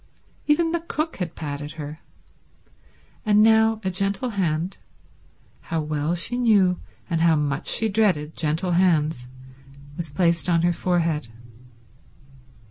Even the cook had patted her. And now a gentle hand—how well she knew and how much she dreaded gentle hands—was placed on her forehead.